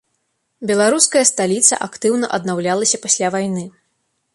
Беларуская сталіца актыўна аднаўлялася пасля вайны.